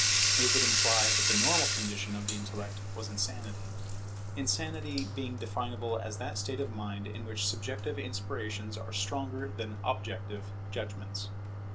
It would imply that the normal condition of the intellect was insanity; insanity being definable as that state of mind in which subjective inspirations are stronger than objective judgments.